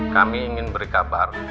kami ingin beri kabar